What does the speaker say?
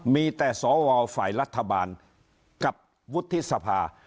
มีแต่สวฝ่ายรัฐบาลกับวุฒิสภา